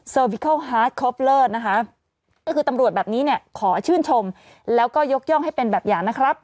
วิเคิลฮาร์ดคอปเลิศนะคะก็คือตำรวจแบบนี้เนี่ยขอชื่นชมแล้วก็ยกย่องให้เป็นแบบอย่างนะครับ